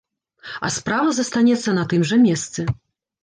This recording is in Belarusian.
А справа застанецца на тым жа месцы.